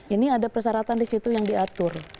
ini ada persyaratan disitu yang diatur